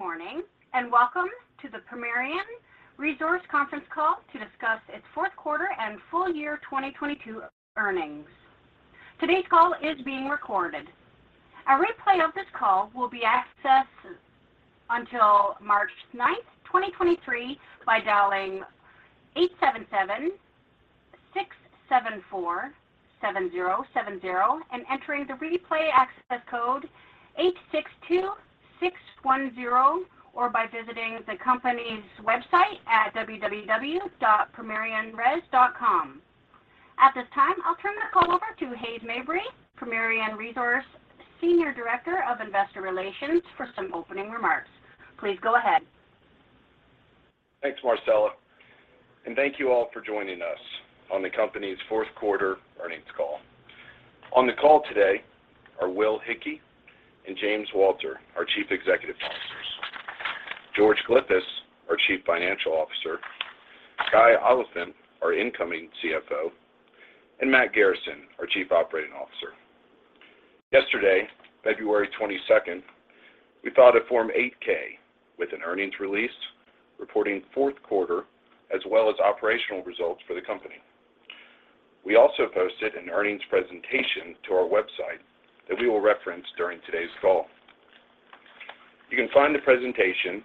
Good morning, and welcome to the Permian Resources Conference Call to discuss its fourth quarter and full year 2022 earnings. Today's call is being recorded. A replay of this call will be accessed until March 9, 2023 by dialing 877-674-7070 and entering the replay access code 862610, or by visiting the company's website at www.permianres.com. At this time, I'll turn the call over to Hays Mabry, Permian Resources Senior Director of Investor Relations, for some opening remarks. Please go ahead. Thanks, Marcella. Thank you all for joining us on the company's fourth quarter earnings call. On the call today are Will Hickey and James Walter, our Chief Executive Officers, George Glyphis, our Chief Financial Officer, Guy Oliphint, our incoming CFO, and Matt Garrison, our Chief Operating Officer. Yesterday, February 22nd, we filed a Form 8-K with an earnings release reporting fourth quarter as well as operational results for the company. We also posted an earnings presentation to our website that we will reference during today's call. You can find the presentation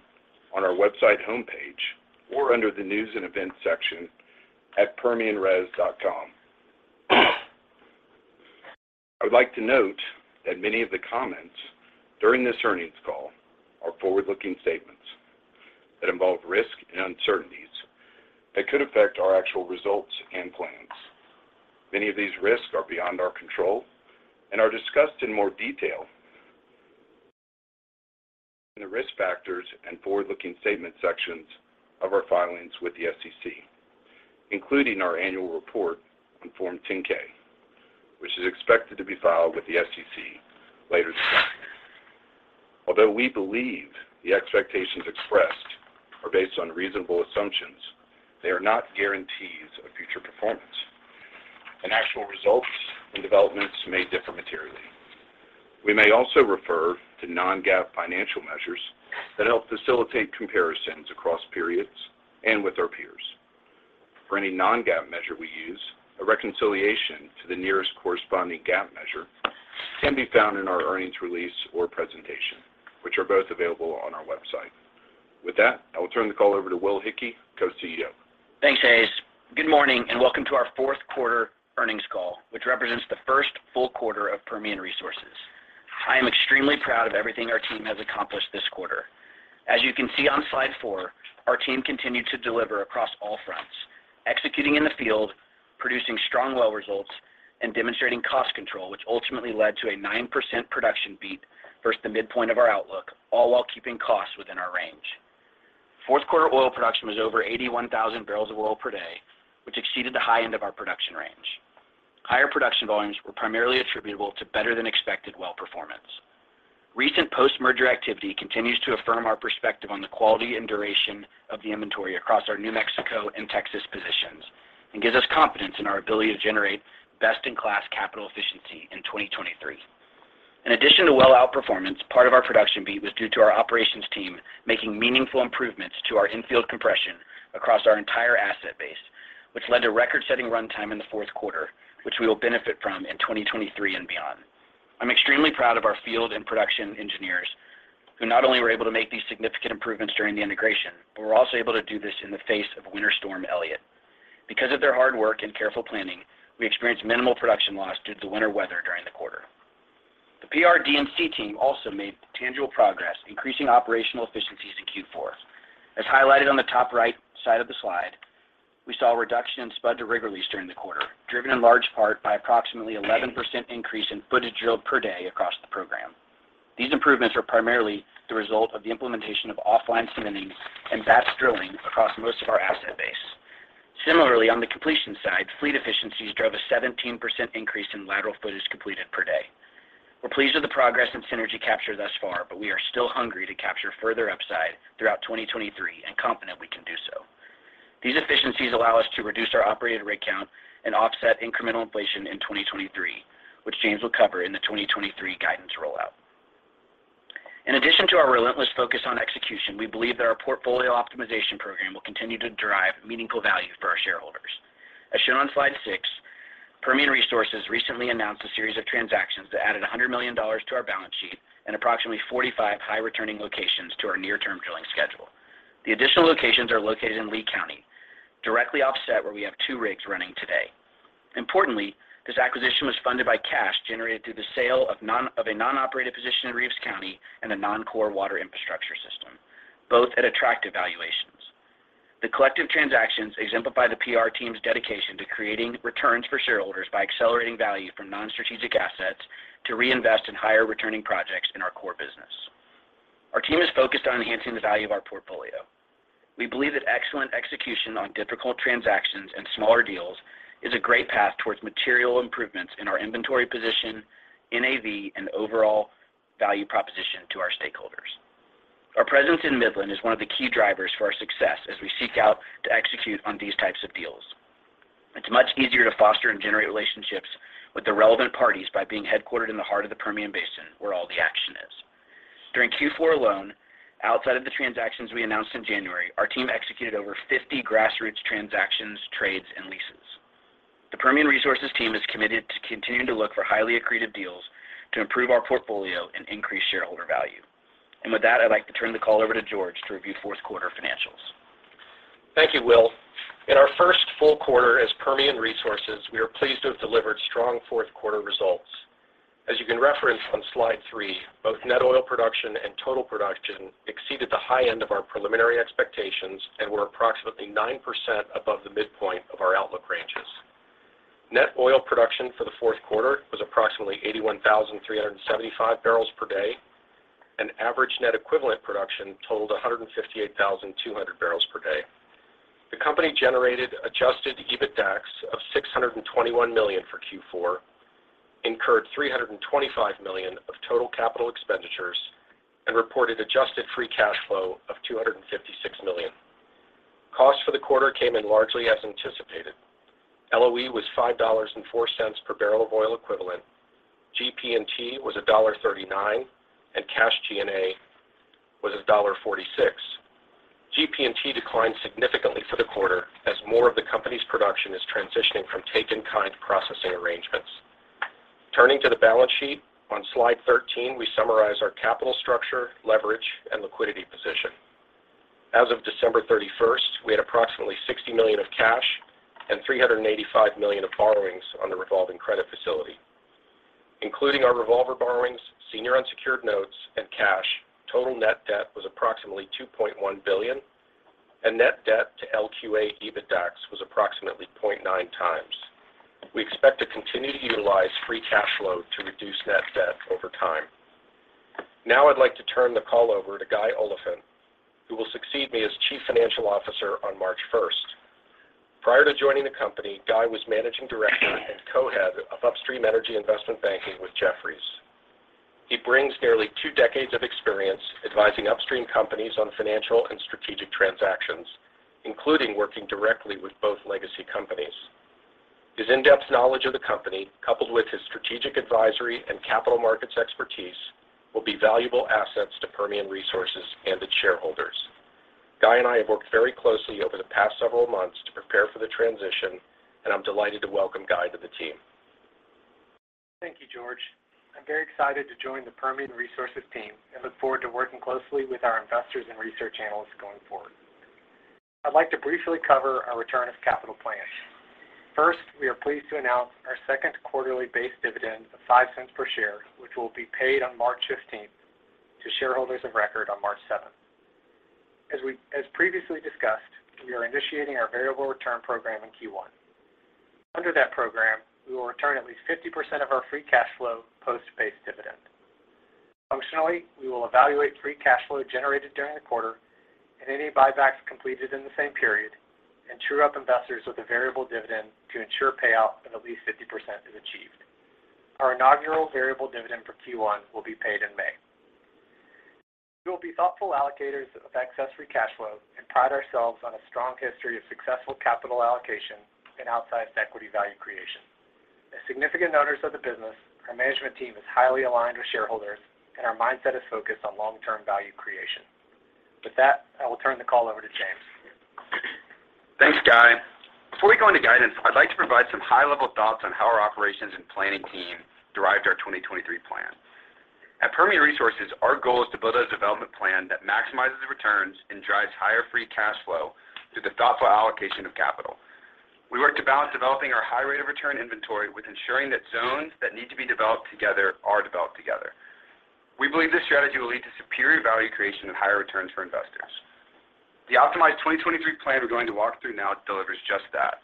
on our website homepage or under the News and Events section at permianres.com. I would like to note that many of the comments during this earnings call are forward-looking statements that involve risk and uncertainties that could affect our actual results and plans. Many of these risks are beyond our control and are discussed in more detail in the Risk Factors and Forward-Looking Statement sections of our filings with the SEC, including our annual report on Form 10-K, which is expected to be filed with the SEC later today. Although we believe the expectations expressed are based on reasonable assumptions, they are not guarantees of future performance, and actual results and developments may differ materially. We may also refer to non-GAAP financial measures that help facilitate comparisons across periods and with our peers. For any non-GAAP measure we use, a reconciliation to the nearest corresponding GAAP measure can be found in our earnings release or presentation, which are both available on our website. With that, I will turn the call over to Will Hickey, Co-CEO. Thanks, Hays. Good morning and welcome to our fourth quarter earnings call, which represents the first full quarter of Permian Resources. I am extremely proud of everything our team has accomplished this quarter. As you can see on slide four, our team continued to deliver across all fronts, executing in the field, producing strong well results, and demonstrating cost control, which ultimately led to a 9% production beat versus the midpoint of our outlook, all while keeping costs within our range. Fourth quarter oil production was over 81,000 barrels of oil per day, which exceeded the high end of our production range. Higher production volumes were primarily attributable to better than expected well performance. Recent post-merger activity continues to affirm our perspective on the quality and duration of the inventory across our New Mexico and Texas positions and gives us confidence in our ability to generate best-in-class capital efficiency in 2023. In addition to well outperformance, part of our production beat was due to our operations team making meaningful improvements to our infield compression across our entire asset base, which led to record-setting runtime in the fourth quarter, which we will benefit from in 2023 and beyond. I'm extremely proud of our field and production engineers who not only were able to make these significant improvements during the integration, but were also able to do this in the face of Winter Storm Elliott. Because of their hard work and careful planning, we experienced minimal production loss due to the winter weather during the quarter. The PR DNC team also made tangible progress, increasing operational efficiencies in Q4. As highlighted on the top right side of the slide, we saw a reduction in spud to rig release during the quarter, driven in large part by approximately 11% increase in footage drilled per day across the program. These improvements were primarily the result of the implementation of offline cementing and fast drilling across most of our asset base. Similarly, on the completion side, fleet efficiencies drove a 17% increase in lateral footage completed per day. We're pleased with the progress and synergy captured thus far, we are still hungry to capture further upside throughout 2023 and confident we can do so. These efficiencies allow us to reduce our operated rig count and offset incremental inflation in 2023, which James will cover in the 2023 guidance rollout. In addition to our relentless focus on execution, we believe that our portfolio optimization program will continue to derive meaningful value for our shareholders. As shown on slide six, Permian Resources recently announced a series of transactions that added $100 million to our balance sheet and approximately 45 high returning locations to our near-term drilling schedule. The additional locations are located in Lee County, directly offset where we have two rigs running today. Importantly, this acquisition was funded by cash generated through the sale of a non-operated position in Reeves County and a non-core water infrastructure system, both at attractive valuations. The collective transactions exemplify the PR team's dedication to creating returns for shareholders by accelerating value from non-strategic assets to reinvest in higher returning projects in our core business. Our team is focused on enhancing the value of our portfolio. We believe that excellent execution on difficult transactions and smaller deals is a great path towards material improvements in our inventory position, NAV, and overall value proposition to our stakeholders. Our presence in Midland is one of the key drivers for our success as we seek out to execute on these types of deals. It's much easier to foster and generate relationships with the relevant parties by being headquartered in the heart of the Permian Basin, where all the action is. During Q4 alone, outside of the transactions we announced in January, our team executed over 50 grassroots transactions, trades, and leases. The Permian Resources team is committed to continuing to look for highly accretive deals to improve our portfolio and increase shareholder value. With that, I'd like to turn the call over to George to review fourth quarter financials. Thank you, Will. In our first full quarter as Permian Resources, we are pleased to have delivered strong fourth quarter results. As you can reference on slide three, both net oil production and total production exceeded the high end of our preliminary expectations and were approximately 9% above the midpoint of our outlook ranges. Net oil production for the fourth quarter was approximately 81,375 barrels per day, and average net equivalent production totaled 158,200 barrels per day. The company generated adjusted EBITDAX of $621 million for Q4, incurred $325 million of total capital expenditures, and reported adjusted free cash flow of $256 million. Costs for the quarter came in largely as anticipated. LOE was $5.04 per barrel of oil equivalent. GP&T was $1.39, and cash G&A was $1.46. GP&T declined significantly for the quarter as more of the company's production is transitioning from take-in-kind processing arrangements. Turning to the balance sheet, on slide 13, we summarize our capital structure, leverage, and liquidity position. As of December 31st, we had approximately $60 million of cash and $385 million of borrowings on the revolving credit facility. Including our revolver borrowings, senior unsecured notes, and cash, total net debt was approximately $2.1 billion, and net debt to LQA EBITDAX was approximately 0.9 times. We expect to continue to utilize free cash flow to reduce net debt over time. I'd like to turn the call over to Guy Oliphint, who will succeed me as Chief Financial Officer on March 1st. Prior to joining the company, Guy was Managing Director and Co-Head of Upstream Energy Investment Banking with Jefferies. He brings nearly two decades of experience advising upstream companies on financial and strategic transactions, including working directly with both legacy companies. His in-depth knowledge of the company, coupled with his strategic advisory and capital markets expertise, will be valuable assets to Permian Resources and its shareholders. Guy and I have worked very closely over the past several months to prepare for the transition, and I'm delighted to welcome Guy to the team. Thank you, George. I'm very excited to join the Permian Resources team and look forward to working closely with our investors and research analysts going forward. I'd like to briefly cover our return of capital plan. First, we are pleased to announce our second quarterly base dividend of $0.05 per share, which will be paid on March 15th to shareholders of record on March 7th. As previously discussed, we are initiating our variable return program in Q1. Under that program, we will return at least 50% of our free cash flow post-base dividend. Functionally, we will evaluate free cash flow generated during the quarter and any buybacks completed in the same period and true up investors with a variable dividend to ensure payout when at least 50% is achieved. Our inaugural variable dividend for Q1 will be paid in May. We will be thoughtful allocators of excess free cash flow and pride ourselves on a strong history of successful capital allocation and outsized equity value creation. As significant owners of the business, our management team is highly aligned with shareholders, and our mindset is focused on long-term value creation. With that, I will turn the call over to James. Thanks, Guy. Before we go into guidance, I'd like to provide some high-level thoughts on how our operations and planning team derived our 2023 plan. At Permian Resources, our goal is to build a development plan that maximizes the returns and drives higher free cash flow through the thoughtful allocation of capital. We work to balance developing our high rate of return inventory with ensuring that zones that need to be developed together are developed together. We believe this strategy will lead to superior value creation and higher returns for investors. The optimized 2023 plan we're going to walk through now delivers just that.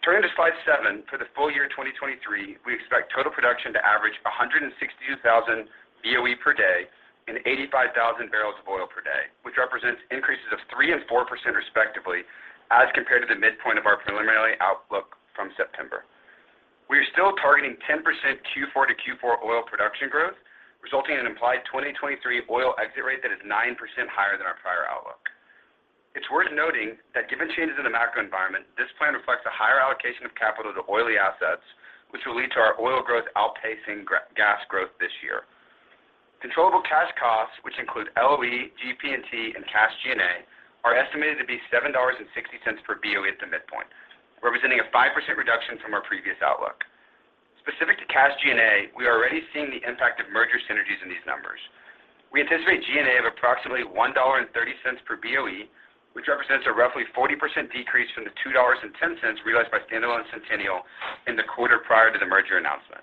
Turning to slide seven, for the full year 2023, we expect total production to average 162,000 BOE per day and 85,000 barrels of oil per day, which represents increases of 3% and 4% respectively as compared to the midpoint of our preliminary outlook from September. We are still targeting 10% Q4 to Q4 oil production growth, resulting in an implied 2023 oil exit rate that is 9% higher than our prior outlook. It's worth noting that given changes in the macro environment, this plan reflects a higher allocation of capital to oily assets, which will lead to our oil growth outpacing gas growth this year. Controllable cash costs, which include LOE, GP&T, and cash G&A, are estimated to be $7.60 per BOE at the midpoint, representing a 5% reduction from our previous outlook. Specific to cash G&A, we are already seeing the impact of merger synergies in these numbers. We anticipate G&A of approximately $1.30 per BOE, which represents a roughly 40% decrease from the $2.10 realized by standalone Centennial in the quarter prior to the merger announcement.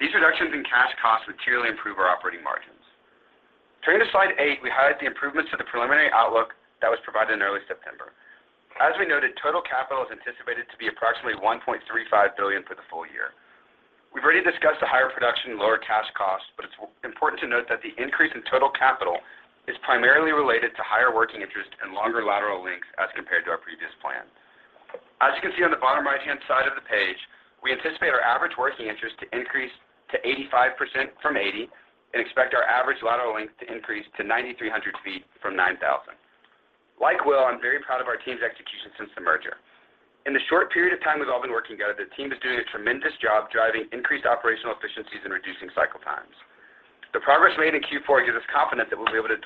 These reductions in cash costs materially improve our operating margins. Turning to slide eight, we highlight the improvements to the preliminary outlook that was provided in early September. As we noted, total capital is anticipated to be approximately $1.35 billion for the full year. We've already discussed the higher production and lower cash costs, but it's important to note that the increase in total capital is primarily related to higher working interest and longer lateral lengths as compared to our previous plan. As you can see on the bottom right-hand side of the page. We anticipate our average working interest to increase to 85% from 80%, and expect our average lateral length to increase to 9,300 feet from 9,000. Like Will, I'm very proud of our team's execution since the merger. In the short period of time we've all been working together, the team is doing a tremendous job driving increased operational efficiencies and reducing cycle times. The progress made in Q4 gives us confidence that we'll be able to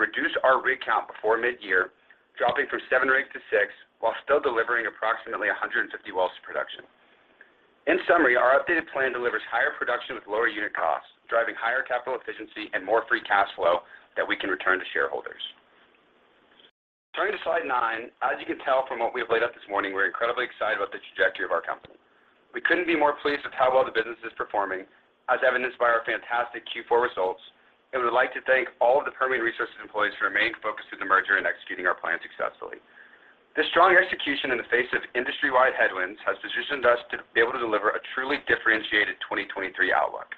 reduce our rig count before mid-year, dropping from seven rigs to six while still delivering approximately 150 wells to production. Our updated plan delivers higher production with lower unit costs, driving higher capital efficiency and more free cash flow that we can return to shareholders. Turning to slide nine, as you can tell from what we have laid out this morning, we're incredibly excited about the trajectory of our company. We couldn't be more pleased with how well the business is performing, as evidenced by our fantastic Q4 results. We'd like to thank all of the Permian Resources employees who remained focused through the merger in executing our plan successfully. This strong execution in the face of industry-wide headwinds has positioned us to be able to deliver a truly differentiated 2023 outlook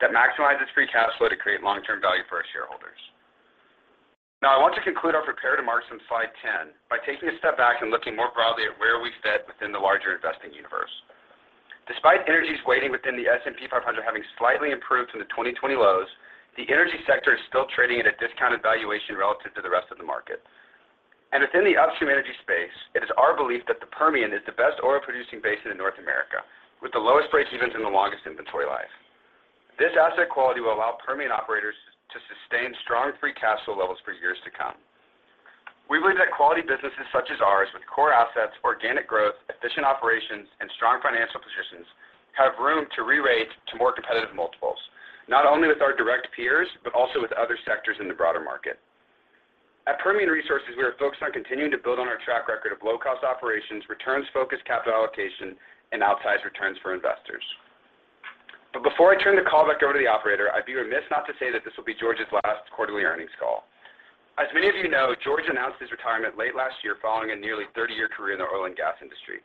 that maximizes free cash flow to create long-term value for our shareholders. I want to conclude our prepared remarks on slide 10 by taking a step back and looking more broadly at where we fit within the larger investing universe. Despite energy's weighting within the S&P 500 having slightly improved from the 2020 lows, the energy sector is still trading at a discounted valuation relative to the rest of the market. Within the upstream energy space, it is our belief that the Permian is the best oil-producing basin in North America, with the lowest breakevens and the longest inventory life. This asset quality will allow Permian operators to sustain strong free cash flow levels for years to come. We believe that quality businesses such as ours with core assets, organic growth, efficient operations, and strong financial positions have room to rerate to more competitive multiples, not only with our direct peers, but also with other sectors in the broader market. At Permian Resources, we are focused on continuing to build on our track record of low-cost operations, returns-focused capital allocation, and outsized returns for investors. Before I turn the call back over to the operator, I'd be remiss not to say that this will be George's last quarterly earnings call. As many of you know, George announced his retirement late last year following a nearly 30-year career in the oil and gas industry.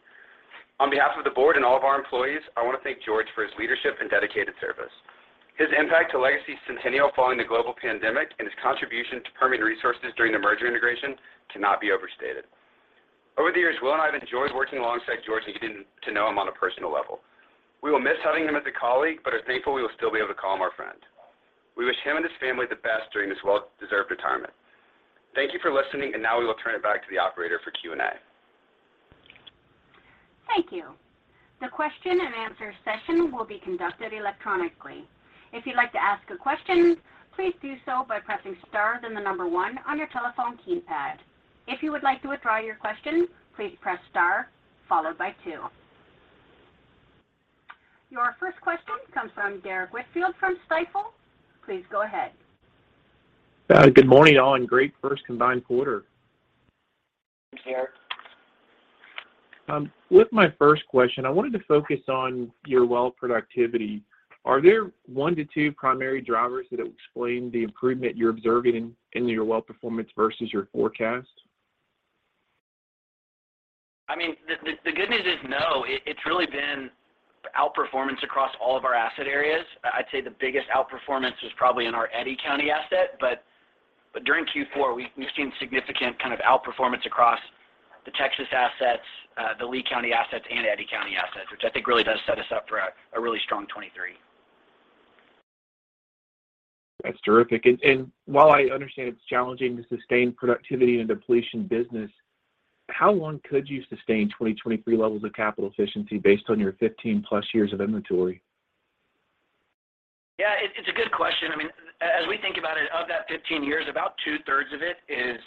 On behalf of the board and all of our employees, I want to thank George for his leadership and dedicated service. His impact to Legacy Centennial following the global pandemic and his contribution to Permian Resources during the merger integration cannot be overstated. Over the years, Will and I have enjoyed working alongside George and getting to know him on a personal level. We will miss having him as a colleague, but are thankful we will still be able to call him our friend. We wish him and his family the best during this well-deserved retirement. Thank you for listening, and now we will turn it back to the operator for Q&A. Thank you. The question and answer session will be conducted electronically. If you'd like to ask a question, please do so by pressing star, then the one on your telephone keypad. If you would like to withdraw your question, please press star followed by two. Your first question comes from Derrick Whitfield from Stifel. Please go ahead. Good morning, all, and great first combined quarter. Thanks, Derrick. With my first question, I wanted to focus on your well productivity. Are there one to two primary drivers that explain the improvement you're observing in your well performance versus your forecast? I mean, the good news is no. It's really been outperformance across all of our asset areas. I'd say the biggest outperformance was probably in our Eddy County asset. During Q4, we've seen significant kind of outperformance across the Texas assets, the Lee County assets, and Eddy County assets, which I think really does set us up for a really strong 2023. That's terrific. While I understand it's challenging to sustain productivity in a depletion business, how long could you sustain 2023 levels of capital efficiency based on your 15 plus years of inventory? Yeah, it's a good question. I mean, as we think about it, of that 15 years, about two-thirds of it is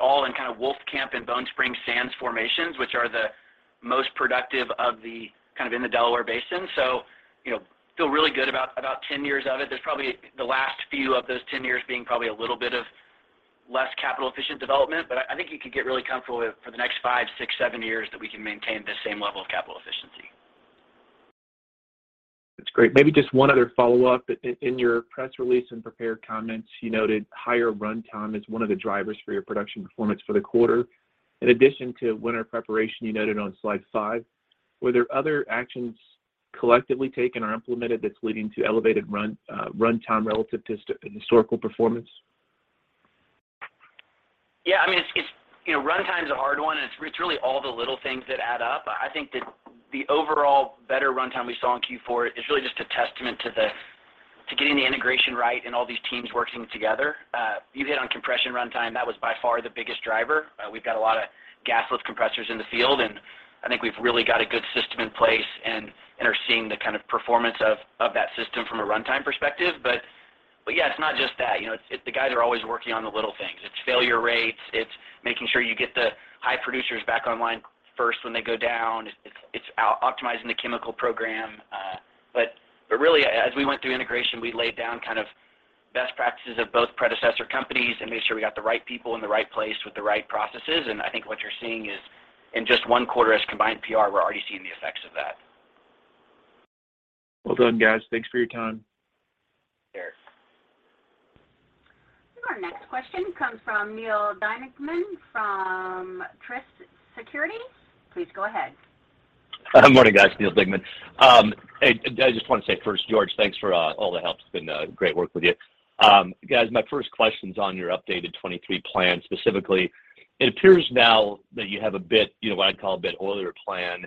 all in kind of Wolfcamp and Bone Spring sands formations, which are the most productive of the kind of in the Delaware Basin. You know, feel really good about 10 years of it. There's probably the last few of those 10 years being probably a little bit of less capital efficient development. I think you could get really comfortable with for the next five, six, seven years that we can maintain the same level of capital efficiency. That's great. Maybe just one other follow-up. In your press release and prepared comments, you noted higher runtime as one of the drivers for your production performance for the quarter. In addition to winter preparation you noted on slide five, were there other actions collectively taken or implemented that's leading to elevated runtime relative to historical performance? Yeah. I mean, it's, you know, runtime's a hard one, and it's really all the little things that add up. I think that the overall better runtime we saw in Q4 is really just a testament to getting the integration right and all these teams working together. You hit on compression runtime. That was by far the biggest driver. We've got a lot of gas lift compressors in the field, and I think we've really got a good system in place and are seeing the kind of performance of that system from a runtime perspective. Yeah, it's not just that. You know, it's the guys are always working on the little things. It's failure rates. It's making sure you get the high producers back online first when they go down. It's optimizing the chemical program. Really, as we went through integration, we laid down kind of best practices of both predecessor companies and made sure we got the right people in the right place with the right processes. I think what you're seeing is in just one quarter as combined PR, we're already seeing the effects of that. Well done, guys. Thanks for your time. Sure. Our next question comes from Neal Dingmann from Truist Securities. Please go ahead. Good morning, guys. Neal Dingmann. Hey, I just want to say first, George, thanks for all the help. It's been great work with you. Guys, my first question's on your updated 2023 plan, specifically. It appears now that you have a bit, you know, what I'd call a bit oilier plan,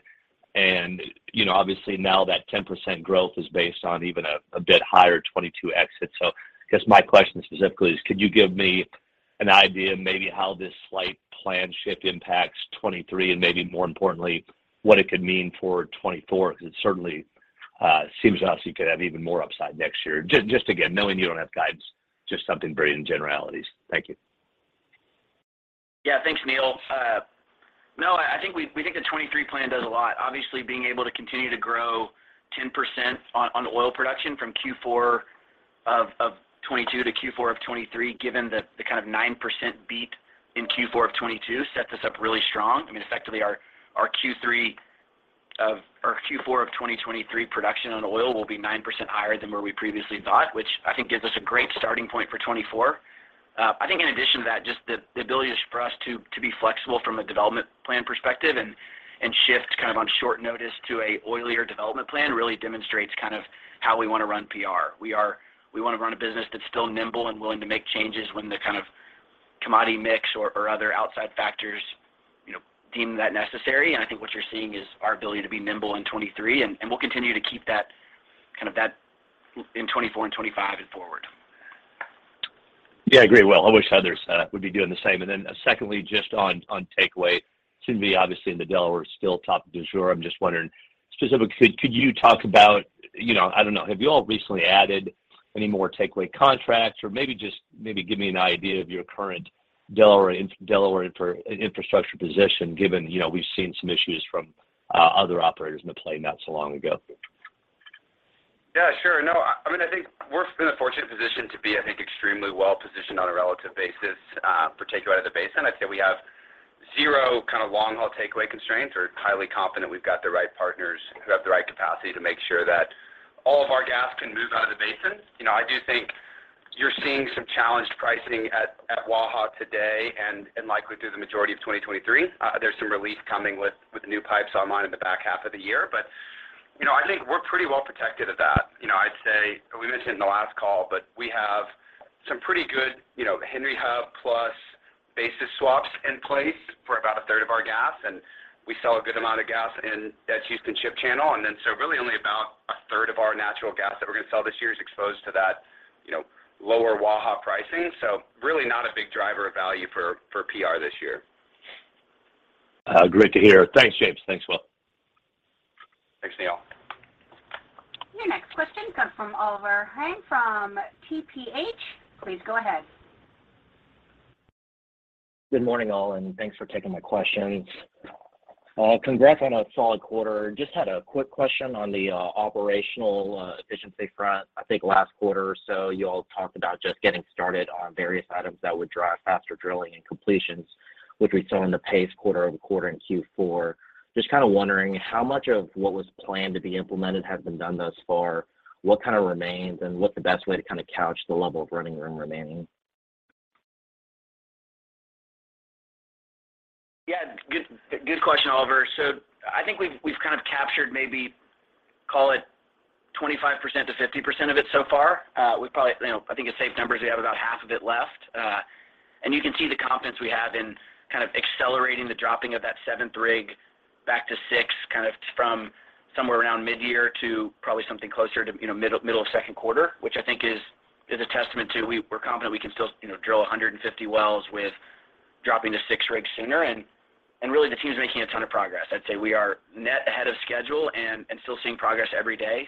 and, you know, obviously now that 10% growth is based on even a bit higher 2022 exit. I guess my question specifically is, could you give me an idea maybe how this slight plan shift impacts 2023 and maybe more importantly, what it could mean for 2024? It certainly seems to us you could have even more upside next year. Just again, knowing you don't have guidance, just something very in generalities. Thank you. Yeah. Thanks, Neal. No, I think we think the 2023 plan does a lot. Obviously, being able to continue to grow 10% on the oil production from Q4 of 2022 to Q4 of 2023, given the kind of 9% beat in Q4 of 2022 set this up really strong. I mean, effectively our Q4 of 2023 production on oil will be 9% higher than where we previously thought, which I think gives us a great starting point for 2024. I think in addition to that, just the ability just for us to be flexible from a development plan perspective and shift kind of on short notice to a oilier development plan really demonstrates kind of how we wanna run PR. We wanna run a business that's still nimble and willing to make changes when the kind of commodity mix or other outside factors, you know, deem that necessary. I think what you're seeing is our ability to be nimble in 23, and we'll continue to keep that, kind of that in 24 and 25 and forward. Yeah, I agree, Will. I wish others would be doing the same. Secondly, just on takeaway. Seem to be obviously in the Delaware still top du jour. I'm just wondering specifically could you talk about, you know... I don't know. Have you all recently added any more takeaway contracts? Or give me an idea of your current Delaware infrastructure position given, you know, we've seen some issues from other operators in the play not so long ago. Yeah, sure. No, I mean, I think we're in a fortunate position to be, I think, extremely well positioned on a relative basis, particularly out of the basin. I'd say we have zero kind of long-haul takeaway constraints. We're highly confident we've got the right partners who have the right capacity to make sure that all of our gas can move out of the basin. You know, I do think you're seeing some challenged pricing at Waha today and likely through the majority of 2023. There's some relief coming with the new pipes online in the back half of the year. You know, I think we're pretty well protected at that. You know, I'd say we mentioned in the last call, but we have some pretty good, you know, Henry Hub plus basis swaps in place for about a third of our gas, and we sell a good amount of gas at Houston Ship Channel. Really only about a third of our natural gas that we're gonna sell this year is exposed to that, you know, lower Waha pricing. Really not a big driver of value for PR this year. Great to hear. Thanks, James. Thanks, Will. Thanks, Neal. Your next question comes from Oliver Huang from TPH. Please go ahead. Good morning, all, thanks for taking my questions. Congrats on a solid quarter. Just had a quick question on the operational efficiency front. I think last quarter or so you all talked about just getting started on various items that would drive faster drilling and completions, which we saw in the pace quarter over quarter in Q4. Just kinda wondering how much of what was planned to be implemented has been done thus far, what kinda remains, and what the best way to kinda couch the level of running room remaining? Yeah. Good question, Oliver. I think we've kind of captured maybe call it 25%-50% of it so far. You know, I think a safe number is we have about half of it left. You can see the confidence we have in kind of accelerating the dropping of that seventh rig back to six, kind of from somewhere around mid-year to probably something closer to, you know, middle of second quarter, which I think is a testament to we're confident we can still, you know, drill 150 wells with dropping to six rigs sooner. Really the team's making a ton of progress. I'd say we are net ahead of schedule and still seeing progress every day.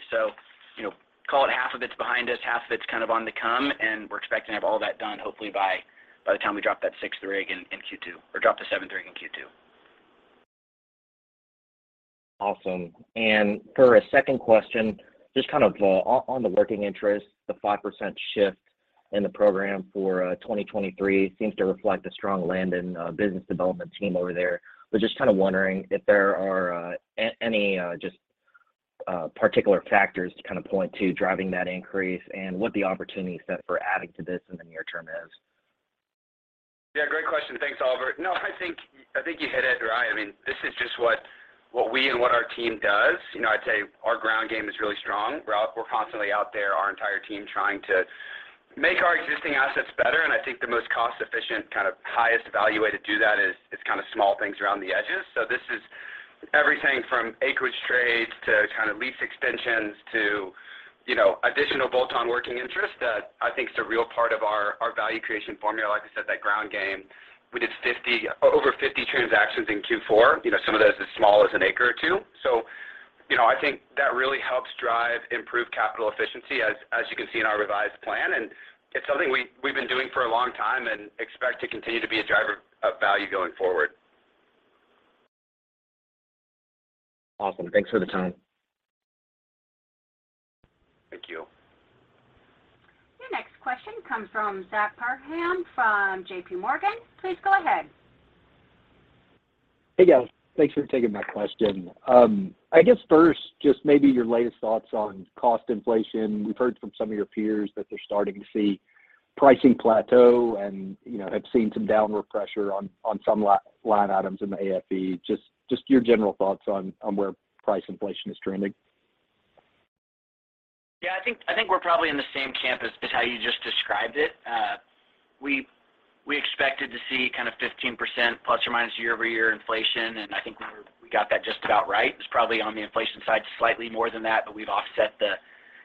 you know, call it half of it's behind us, half of it's kind of on the come, and we're expecting to have all that done hopefully by the time we drop that sixth rig in Q2 or drop the seventh rig in Q2. Awesome. For a second question, just kind of, on the working interest, the 5% shift in the program for 2023 seems to reflect the strong landing, business development team over there. Was just kinda wondering if there are any particular factors to kinda point to driving that increase and what the opportunity set for adding to this in the near term is? Yeah, great question. Thanks, Oliver. I think you hit it right. I mean, this is just what we and what our team does. You know, I'd say our ground game is really strong. We're constantly out there, our entire team, trying to make our existing assets better. I think the most cost-efficient, kind of highest value way to do that is kind of small things around the edges. This is everything from acreage trades to kind of lease extensions to, you know, additional bolt-on working interest that I think is a real part of our value creation formula. Like I said, that ground game, we did over 50 transactions in Q4. You know, some of those as small as an acre or two. You know, I think that really helps drive improved capital efficiency, as you can see in our revised plan, and it's something we've been doing for a long time and expect to continue to be a driver of value going forward. Awesome. Thanks for the time. Thank you. Your next question comes from Zach Parham from JP Morgan. Please go ahead. Hey, guys. Thanks for taking my question. I guess first just maybe your latest thoughts on cost inflation. We've heard from some of your peers that they're starting to see pricing plateau and, you know, have seen some downward pressure on some line items in the AFE. Just your general thoughts on where price inflation is trending. Yeah, I think we're probably in the same camp as how you just described it. We expected to see kind of 15% plus or minus year-over-year inflation, and I think we got that just about right. It's probably on the inflation side slightly more than that, but we've offset the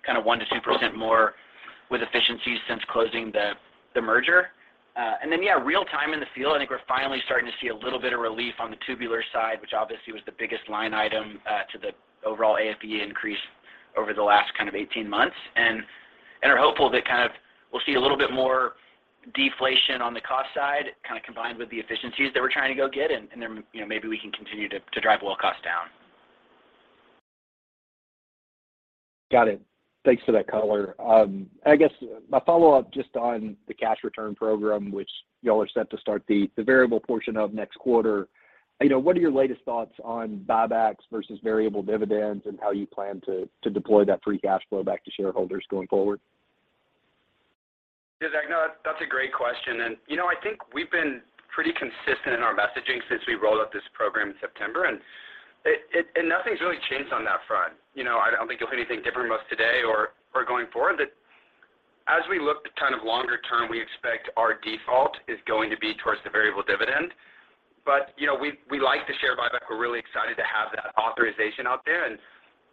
kinda 1%-2% more with efficiencies since closing the merger. Then, yeah, real time in the field, I think we're finally starting to see a little bit of relief on the tubular side, which obviously was the biggest line item to the overall AFE increase over the last kind of 18 months. Are hopeful that kind of we'll see a little bit more deflation on the cost side, kinda combined with the efficiencies that we're trying to go get, and then, you know, maybe we can continue to drive well cost down. Got it. Thanks for that color. I guess my follow-up just on the cash return program, which y'all are set to start the variable portion of next quarter. You know, what are your latest thoughts on buybacks versus variable dividends and how you plan to deploy that free cash flow back to shareholders going forward? Zach, no, that's a great question. You know, I think we've been pretty consistent in our messaging since we rolled out this program in September, and nothing's really changed on that front. You know, I don't think you'll hear anything different from us today or going forward. That as we look to kind of longer term, we expect our default is going to be towards the variable dividend. You know, we like the share buyback. We're really excited to have that authorization out there and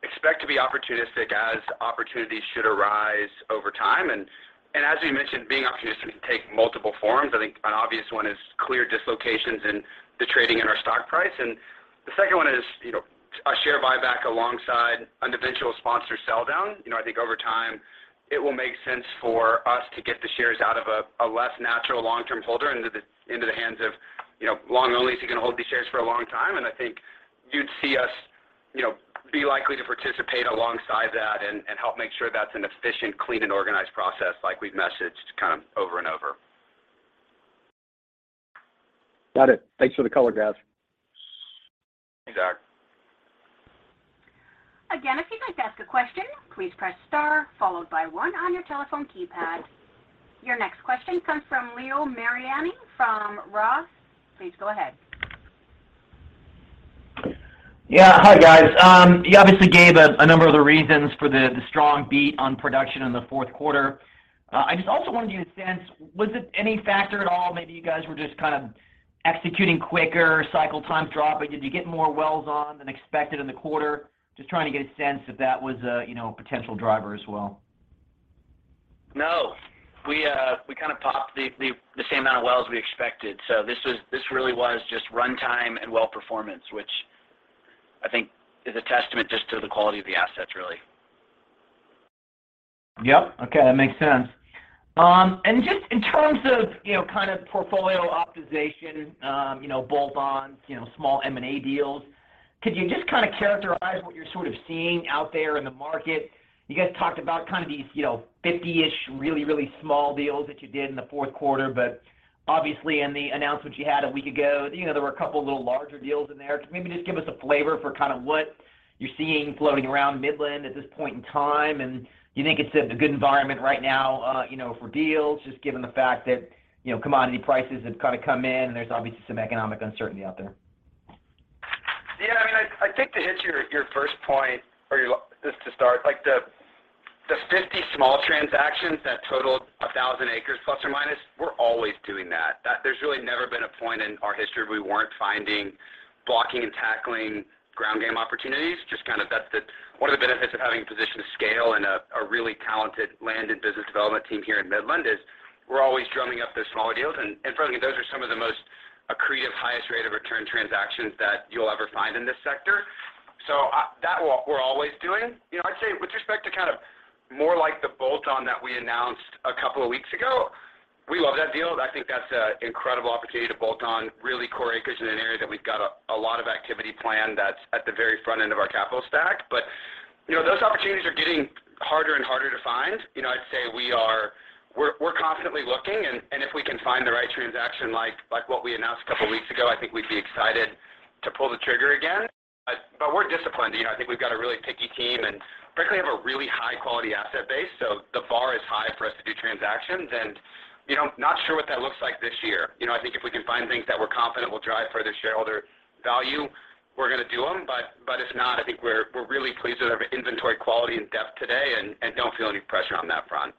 expect to be opportunistic as opportunities should arise over time. And as we mentioned, being opportunistic can take multiple forms. I think an obvious one is clear dislocations in the trading in our stock price. The second one is, you know, a share buyback alongside a divisional sponsor sell down. You know, I think over time it will make sense for us to get the shares out of a less natural long-term holder into the, into the hands of, you know, long-only who can hold these shares for a long time. I think you'd see us, you know, be likely to participate alongside that and help make sure that's an efficient, clean, and organized process like we've messaged kind of over and over. Got it. Thanks for the color, guys. Thanks, Zach. Again, if you'd like to ask a question, please press star followed by one on your telephone keypad. Your next question comes from Leo Mariani from ROTH MKM. Please go ahead. Hi, guys. You obviously gave a number of the reasons for the strong beat on production in the fourth quarter. I just also wanted to get a sense, was it any factor at all, maybe you guys were just kind of executing quicker, cycle times dropping? Did you get more wells on than expected in the quarter? Just trying to get a sense if that was a, you know, potential driver as well? No. We, we kinda popped the same amount of wells we expected. This really was just runtime and well performance, which I think is a testament just to the quality of the assets, really. Yep. Okay. That makes sense. Just in terms of, you know, kind of portfolio optimization, you know, bolt-ons, you know, small M&A deals, could you just kinda characterize what you're sort of seeing out there in the market? You guys talked about kind of these, you know, 50-ish really, really small deals that you did in the fourth quarter. Obviously in the announcement you had a week ago, you know, there were a couple of little larger deals in there. Could maybe just give us a flavor for kinda what you're seeing floating around Midland at this point in time, and do you think it's a good environment right now, you know, for deals, just given the fact that, you know, commodity prices have kinda come in and there's obviously some economic uncertainty out there? I mean, I think to hit your first point or Just to start, like the 50 small transactions that totaled 1,000 acres plus or minus, we're always doing that. There's really never been a point in our history we weren't finding, blocking, and tackling ground game opportunities. Just kind of that's the one of the benefits of having a position of scale and a really talented land and business development team here in Midland, is we're always drumming up the smaller deals. Frankly, those are some of the most accretive, highest rate of return transactions that you'll ever find in this sector. That we're always doing. You know, I'd say with respect to kind of more like the bolt-on that we announced couple weeks ago, we love that deal. I think that's a incredible opportunity to bolt on really core acres in an area that we've got a lot of activity planned that's at the very front end of our capital stack. You know, those opportunities are getting harder and harder to find. You know, I'd say we're constantly looking and if we can find the right transaction, like what we announced a couple of weeks ago, I think we'd be excited to pull the trigger again. We're disciplined. You know, I think we've got a really picky team, and frankly, have a really high-quality asset base, so the bar is high for us to do transactions. You know, not sure what that looks like this year. You know, I think if we can find things that we're confident will drive further shareholder value, we're gonna do them. If not, I think we're really pleased with our inventory quality and depth today and don't feel any pressure on that front.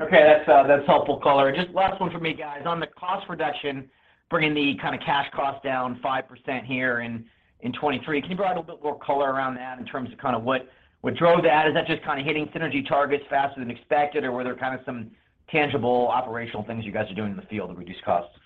Okay. That's helpful color. Just last one from me, guys. On the cost reduction, bringing the kinda cash cost down 5% here in 2023, can you provide a bit more color around that in terms of kinda what drove that? Is that just kinda hitting synergy targets faster than expected, or were there kinda some tangible operational things you guys are doing in the field to reduce costs?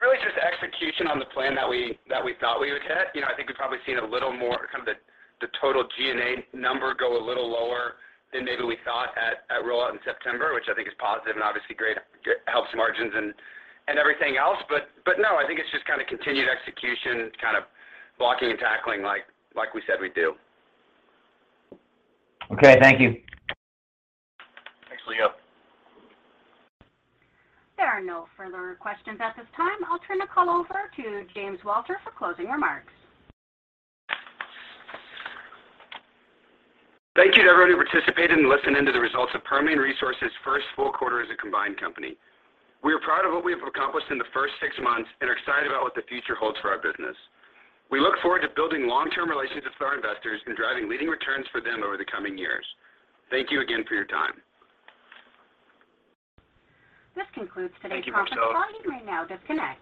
Really just execution on the plan that we thought we would hit. You know, I think we've probably seen a little more kind of the total G&A number go a little lower than maybe we thought at rollout in September, which I think is positive and obviously great. It helps margins and everything else. No, I think it's just kinda continued execution, kind of blocking and tackling like we said we'd do. Okay. Thank you. Thanks, Leo. There are no further questions at this time. I'll turn the call over to James Walter for closing remarks. Thank you to everyone who participated in listening to the results of Permian Resources' first full quarter as a combined company. We are proud of what we have accomplished in the first six months and are excited about what the future holds for our business. We look forward to building long-term relationships with our investors and driving leading returns for them over the coming years. Thank you again for your time. This concludes today's conference call. Thank you, Marcella. You may now disconnect.